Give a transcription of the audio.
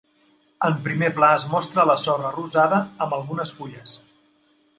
En primer pla es mostra la sorra rosada amb algunes fulles.